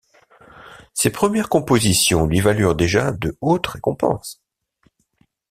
Ses premières compositions lui valurent déjà de hautes récompenses.